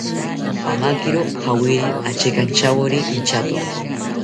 Pamakiro jawiri achekantyawori inchato